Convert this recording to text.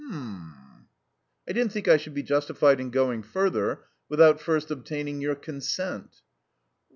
"H'm m." "I didn't think I should be justified in going further without first obtaining your consent."